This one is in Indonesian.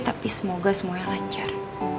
tapi semoga semuanya lancar